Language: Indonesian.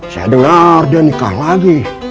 saya dengar dia nikah lagi